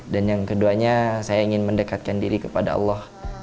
dan yang keduanya saya ingin mendekatkan diri kepada allah